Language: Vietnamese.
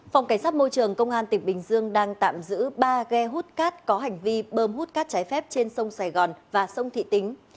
phòng cảnh sát môi trường công an tỉnh bình dương đang tạm giữ ba ghe hút cát có hành vi bơm hút cát trái phép trên sông sài gòn và sông thị tính